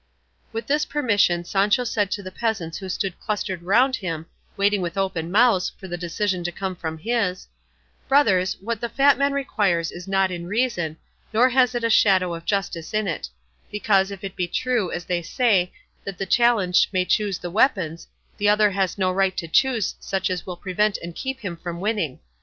With this permission Sancho said to the peasants who stood clustered round him, waiting with open mouths for the decision to come from his, "Brothers, what the fat man requires is not in reason, nor has it a shadow of justice in it; because, if it be true, as they say, that the challenged may choose the weapons, the other has no right to choose such as will prevent and keep him from winning.